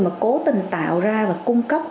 mà cố tình tạo ra và cung cấp